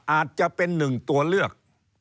อาจจะเป็นหนึ่งตัวเลือก